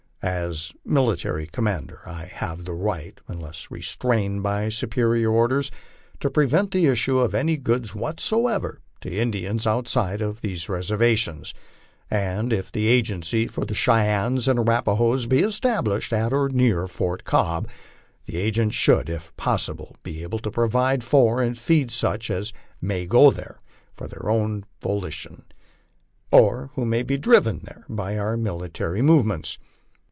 As military commander I have the right, unless restrained by superior orders, to prevent the issue of any goods what ever to Indians outside of these reservations ; and if the agency for the Chey ennes and Arapahoes be established at or near old Fort Cobb, the agent should if possible be able to provide for and feed such as may go there of their own volition, or who may be driven there by our military movements.